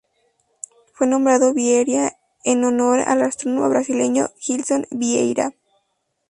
Fue nombrado Vieira en honor al astrónomo brasileño Gilson Vieira.